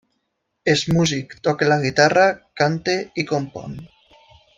És músic, toca la guitarra, canta i compon.